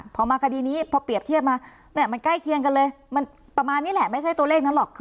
พอมาคดีนี้พอเปรียบเทียบมามันใกล้เคียงกันเลยมันประมาณนี้แหละไม่ใช่ตัวเลขนั้นหรอก